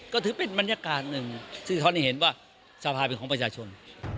ก็ถือเป็นบรรยากาศหนึ่งที่เขาได้เห็นว่าสภาเป็นของประชาชน